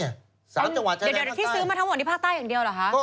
เดี๋ยวที่ซื้อมาทั้งหมดที่ภาคใต้อย่างเดียวเหรอคะ